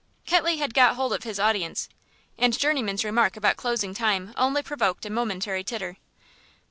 Ketley had got hold of his audience, and Journeyman's remark about closing time only provoked a momentary titter.